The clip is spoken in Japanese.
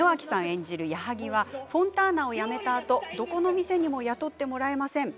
演じる矢作はフォンターナを辞めたあとどこの店にも雇ってもらえません。